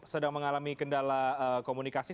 sedang mengalami kendala komunikasi